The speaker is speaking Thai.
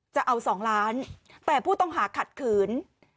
จะเอา๒ล้านแต่ผู้ต้องหาขัดขืน